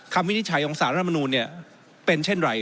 วินิจฉัยของสารรัฐมนูลเป็นเช่นไร